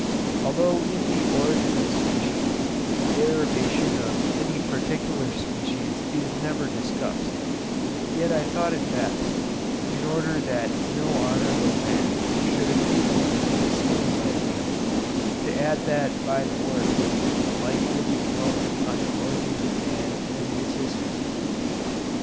Although in the 'Origin of Species' the derivation of any particular species is never discussed, yet I thought it best, in order that no honourable man should accuse me of concealing my views, to add that by the work "light would be thrown on the origin of man and his history."